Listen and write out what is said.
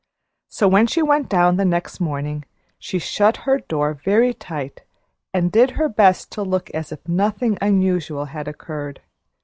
So, when she went down the next morning, she shut her door very tight and did her best to look as if nothing unusual had occurred.